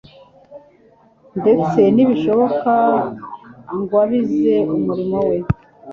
ndetse nibishoboka agwabize umurimo We.